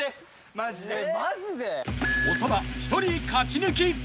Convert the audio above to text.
［長田１人勝ち抜き］